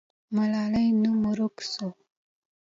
ملالۍ نوم ورک سو.